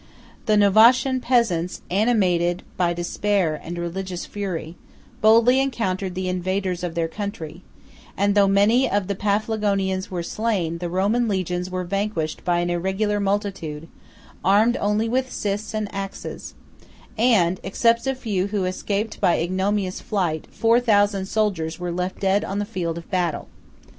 The Novatian peasants, animated by despair and religious fury, boldly encountered the invaders of their country; and though many of the Paphlagonians were slain, the Roman legions were vanquished by an irregular multitude, armed only with scythes and axes; and, except a few who escaped by an ignominious flight, four thousand soldiers were left dead on the field of battle.